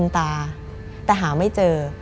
มันกลายเป็นรูปของคนที่กำลังขโมยคิ้วแล้วก็ร้องไห้อยู่